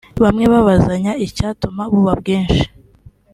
Bamwe babazanya icyatuma buba bwinshi